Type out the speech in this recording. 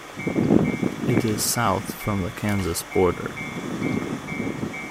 It is south from the Kansas border.